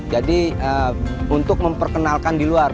jadi untuk memperkenalkan di luar